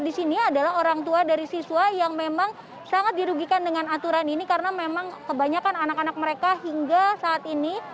di sini adalah orang tua dari siswa yang memang sangat dirugikan dengan aturan ini karena memang kebanyakan anak anak mereka hingga saat ini